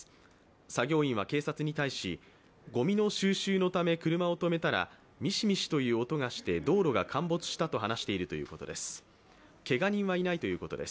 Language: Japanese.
作業員は警察に対し、ごみの収集のため車を止めたらミシミシという音がして道路が陥没したと話しているということです。